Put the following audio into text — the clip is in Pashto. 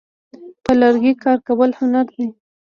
په لرګي کار کول هنر دی.